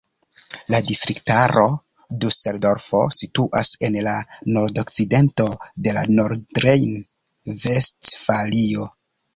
La distriktaro Duseldorfo situas en la nordokcidento de Nordrejn-Vestfalio.